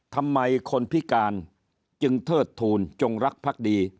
ทำไมคนพิการจึงเทิดทูลจงรักภักดี